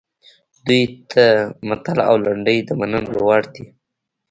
دوی ته متل او لنډۍ د منلو وړ دي